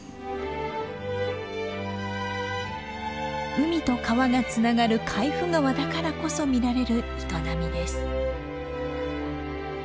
海と川がつながる海部川だからこそ見られる営みです。